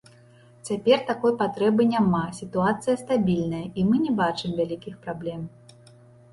Цяпер такой патрэбы няма, сітуацыя стабільная, і мы не бачым вялікіх праблем.